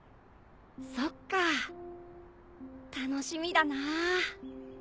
そっか楽しみだなぁ。